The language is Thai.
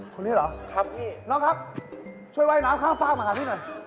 คุณนี่เหรอน้องครับช่วยไหว้น้ำข้าวฟากมาครับพี่หน่อย